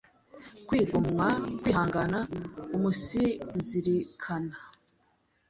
kwigomwa, kwihangana, umunsizirikana,